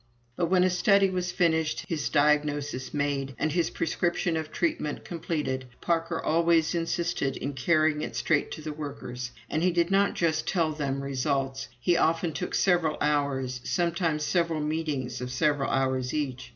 "But when a study was finished, his diagnosis made, and his prescription of treatment completed, Parker always insisted in carrying it straight to the workers. And he did not just tell them results. He often took several hours, sometimes several meetings of several hours each.